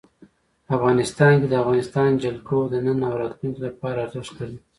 افغانستان کې د افغانستان جلکو د نن او راتلونکي لپاره ارزښت لري.